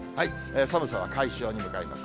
寒さは解消に向かいます。